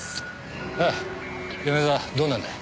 おい米沢どうなんだ？